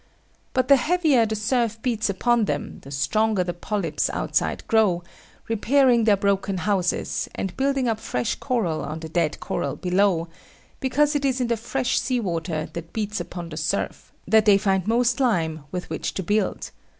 But the heavier the surf beats upon them, the stronger the polypes outside grow, repairing their broken houses, and building up fresh coral on the dead coral below, because it is in the fresh sea water that beats upon the surf that they find most lime with which to build.